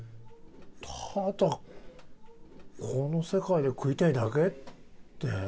ただこの世界で食いたいだけ？って。